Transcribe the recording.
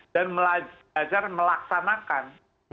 dan belajar melaksanakan